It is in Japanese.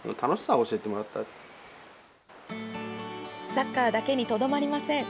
サッカーだけにとどまりません。